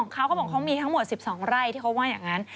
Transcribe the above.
เขาก็บอกเขามีทั้งหมด๑๒ไร่ที่เขาว่าอย่างนั้น